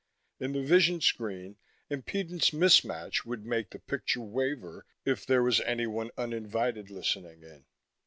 In the vision screen, impedance mismatch would make the picture waver if there was anyone uninvited listening in.